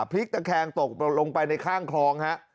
พลิกตะแคงตกลงไปในข้างคลองฮะ